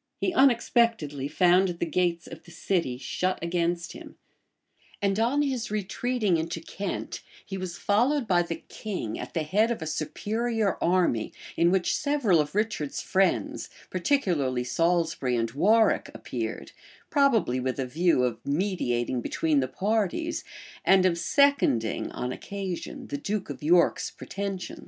[] He unexpectedly found the gates of the city shut against him; and on his retreating into Kent, he was followed by the king at the head of a superior army; in which several of Richard's friends, particularly Salisbury and Warwick appeared; probably with a view of mediating between the parties, and of seconding, on occasion, the duke of York's pretensions.